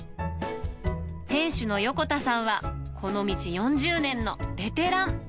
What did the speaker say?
店主の横田さんは、この道４０年のベテラン。